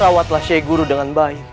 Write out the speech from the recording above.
rawatlah sheikh guru dengan baik